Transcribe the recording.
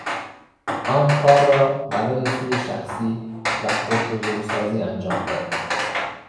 آن کار را برای سود شخصی و خود بزرگسازی انجام داد.